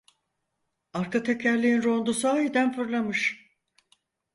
Arka tekerleğin rondu sahiden fırlamış.